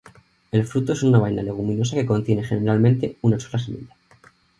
El fruto es una vaina leguminosa que contiene generalmente una sola semilla.